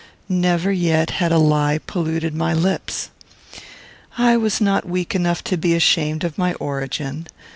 Never yet had a lie polluted my lips. I was not weak enough to be ashamed of my origin.